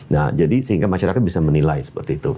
nah jadi sehingga masyarakat bisa menilai seperti itu